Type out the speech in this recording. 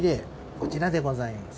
こちらでございます